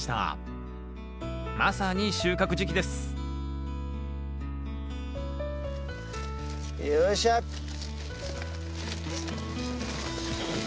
まさに収穫時期ですよいしょよいしょ！